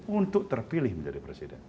untuk mencari kemampuan yang diperlukan oleh nasdem